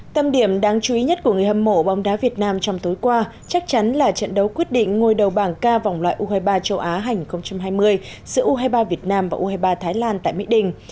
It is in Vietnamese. tâm điểm đáng chú ý nhất của người hâm mộ bóng đá việt nam trong tối qua chắc chắn là trận đấu quyết định ngôi đầu bảng ca vòng loại u hai mươi ba châu á hành hai mươi giữa u hai mươi ba việt nam và u hai mươi ba thái lan tại mỹ đình